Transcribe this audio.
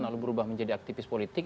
lalu berubah menjadi aktivis politik